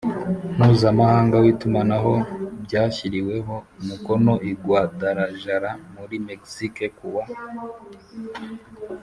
Mpuzamahanga w itumanaho byashyiriweho umukono i guadalajara muri mexique kuwa